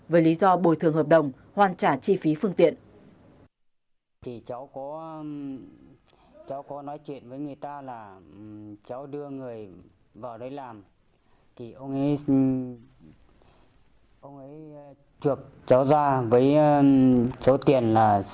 với lý do bồi thường hợp đồng hoàn trả chi phí phương tiện